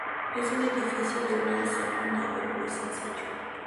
Es un edificio de una sola nave, muy sencillo.